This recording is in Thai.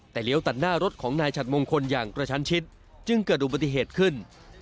แต่เลี้ยวตัดหน้ารถของนายฉัดมงคลอย่างกระชันชิดจึงเกิดอุบัติเหตุขึ้น